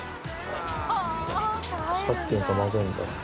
さっきのと混ぜるんだ。